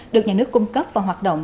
được nhà nước cung cấp và hoạt động